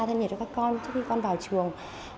thân nhiệt cho các con trước khi con vào trường